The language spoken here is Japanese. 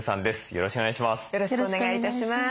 よろしくお願いします。